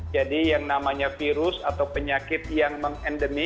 jadi yang namanya virus atau penyakit yang mengendalikan